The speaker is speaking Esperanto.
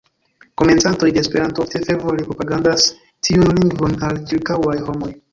Komencantoj de Esperanto ofte fervore propagandas tiun lingvon al ĉirkaŭaj homoj.